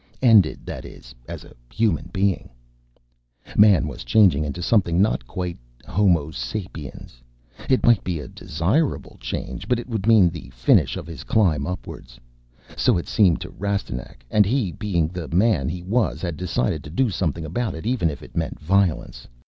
Ended, that is, as a human being. Man was changing into something not quite homo sapiens. It might be a desirable change, but it would mean the finish of his climb upwards. So it seemed to Rastignac. And he, being the man he was, had decided to do something about it even if it meant violence.